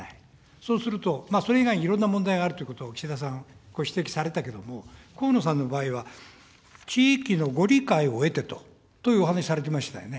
そうすると、それ以外にいろんな問題があるっていうことを、岸田さん、ご指摘されたけれども、河野さんの場合は、地域のご理解を得てというお話しされていましたよね。